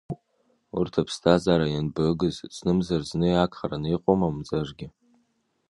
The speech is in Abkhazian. Урҭ аԥсҭазаара ианбагыз, знымзар зны иагхараны иҟоума мамзаргьы?